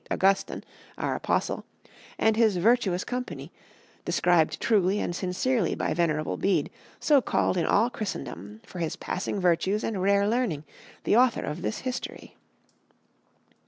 Augustin, our Apostle, and his vertuous company, described truly and sincerely by Venerable Bede, so called in all Christendom for his passing vertues and rare lerning, the Author of this History."